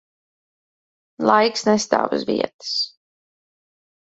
Laiks nestāv uz vietas.